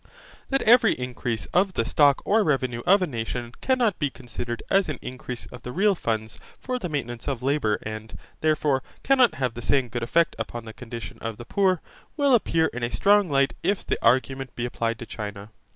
That every increase of the stock or revenue of a nation cannot be considered as an increase of the real funds for the maintenance of labour and, therefore, cannot have the same good effect upon the condition of the poor, will appear in a strong light if the argument be applied to China.